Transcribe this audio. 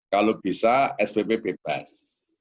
kalau bisa spp bebas